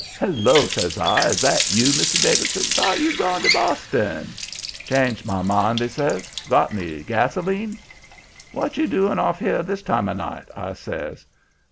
"'Hello!' says I. 'Is that you, Mr. Davidson? Thought you'd gone to Boston?' "'Changed my mind,' he says. 'Got any gasoline?' "'What you doing off here this time of night?' I says.